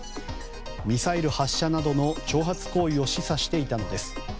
ミサイル発射などの挑発行為を示唆していたのです。